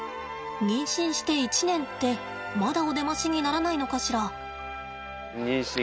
妊娠して１年ってまだお出ましにならないのかしら。